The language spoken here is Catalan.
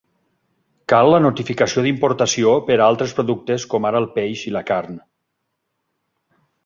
Cal la notificació d'importació per a altres productes com ara el peix i la carn.